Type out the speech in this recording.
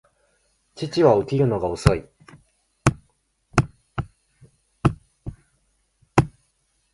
父は起きるのが遅い